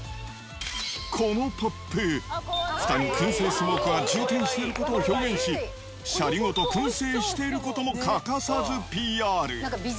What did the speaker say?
このポップ、ふたにくん製スモークが充てんしていることを表現し、シャリごとくん製していることも欠かさずＰＲ。